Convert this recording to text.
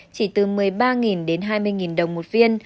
chỉ từ một mươi ba đến hai mươi đồng một viên